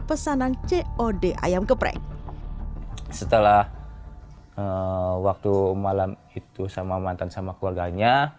pesanan cod ayam geprek setelah waktu malam itu sama mantan sama keluarganya